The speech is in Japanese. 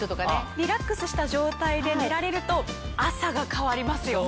リラックスした状態で寝られると朝が変わりますよ。